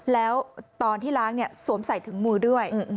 แล้วตอนที่ล้างสวมใส่ถุงมือด้วย